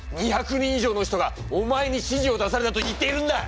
２００人以上の人がお前に指示を出されたと言っているんだ！